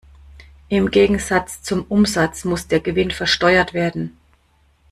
Im Gegensatz zum Umsatz muss der Gewinn versteuert werden.